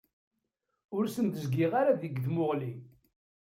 Ur sen-d-zgiɣ ara deg tmuɣli.